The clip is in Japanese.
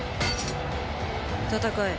戦え。